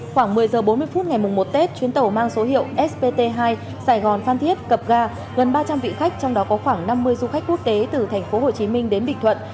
khoảng một mươi h bốn mươi phút ngày một tết chuyến tàu mang số hiệu spt hai sài gòn phan thiết cập ga gần ba trăm linh vị khách trong đó có khoảng năm mươi du khách quốc tế từ thành phố hồ chí minh đến bình thuận